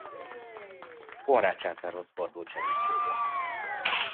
Konrád császárhoz fordult segítségért.